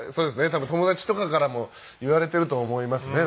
多分友達とかからも言われてると思いますね。